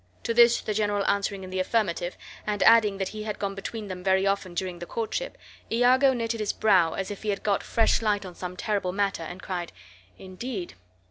To this the general answering in the affirmative, and adding, that he had gone between them very often during the courtship, Iago knitted his brow, as if he had got fresh light on some terrible matter, and cried, "Indeed!"